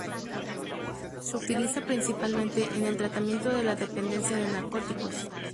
Se utiliza principalmente en el tratamiento de la dependencia de narcóticos.